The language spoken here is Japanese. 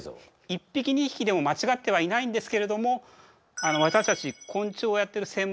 １匹２匹でもまちがってはいないんですけれども私たち昆虫をやっている専門家の多くはですね